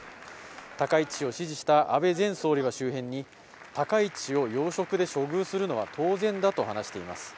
高市氏を支持した安倍前総理は周辺に、高市氏を要職で処遇するのは当然だと話しています。